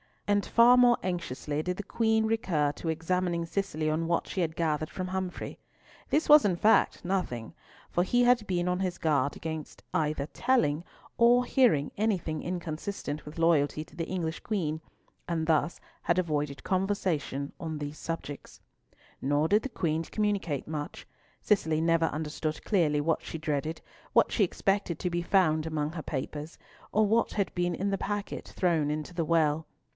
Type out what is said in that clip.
And far more anxiously did the Queen recur to examining Cicely on what she had gathered from Humfrey. This was in fact nothing, for he had been on his guard against either telling or hearing anything inconsistent with loyalty to the English Queen, and thus had avoided conversation on these subjects. Nor did the Queen communicate much. Cicely never understood clearly what she dreaded, what she expected to be found among her papers, or what had been in the packet thrown into the well.